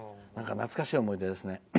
懐かしい思い出ですね。